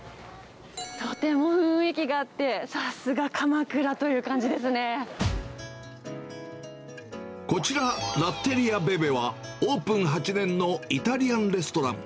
とても雰囲気があって、さすが鎌こちら、ラッテリアべべは、オープン８年のイタリアンレストラン。